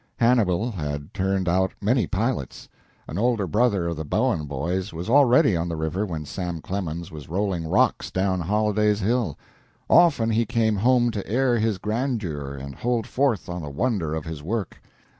Hannibal had turned out many pilots. An older brother of the Bowen boys was already on the river when Sam Clemens was rolling rocks down Holliday's Hill. Often he came home to air his grandeur and hold forth on the wonder of his work.